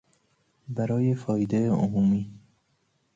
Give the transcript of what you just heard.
برای فایده عمومی